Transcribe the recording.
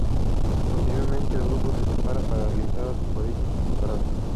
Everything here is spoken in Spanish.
Posteriormente el grupo se separa, para realizar otros proyectos por separado.